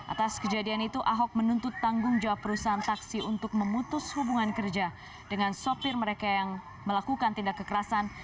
atas kejadian itu ahok menuntut tanggung jawab perusahaan taksi untuk memutus hubungan kerja dengan sopir mereka yang melakukan tindak kekerasan